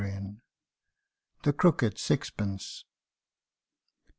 Q 242 THE CROOKED SIXPENCE.